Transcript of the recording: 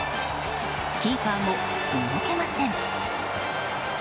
キーパーも動けません。